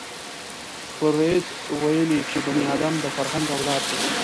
فروید ویلي چې بني ادم د فرهنګ اولاد دی